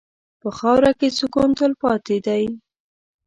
په خاوره کې سکون تلپاتې دی.